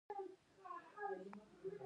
هند او پاکستان دواړه اټومي قدرتونه شول.